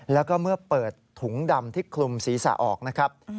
แล้วก็เมื่อเปิดถุงดำที่คลุมศีรษะออกนะครับ